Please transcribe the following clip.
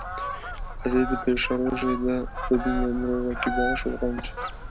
ez ê di pêşerojê de bibima mirovekê baş û qenc.